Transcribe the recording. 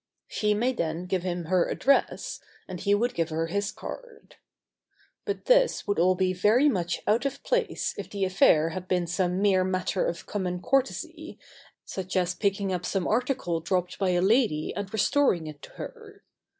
She may then give him her address, and he would give her his card. [Sidenote: A trivial service.] But this would all be very much out of place if the affair had been some mere matter of common courtesy, such as picking up some article dropped by a lady and restoring it to her.